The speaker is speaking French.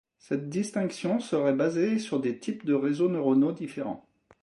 Cette distinction serait basée sur des types de réseaux neuronaux différents.